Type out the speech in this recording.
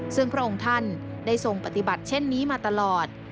ซึ่งพระองค์ท่านได้ทรงปฏิบัติเช่นนี้มาตลอด